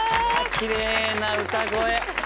きれいな歌声。